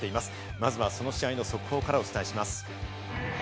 まずはその試合の速報からお伝えします。